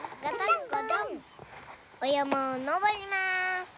おやまをのぼります。